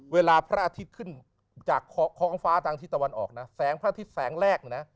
พระอาทิตย์ขึ้นจากท้องฟ้าทางทิศตะวันออกนะแสงพระอาทิตย์แสงแรกนะ